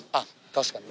確かに。